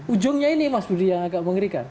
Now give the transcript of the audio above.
ujungnya ini mas budi yang agak mengerikan